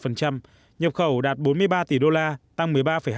nhập khẩu đạt bốn mươi ba tỷ đô la tăng một mươi ba hai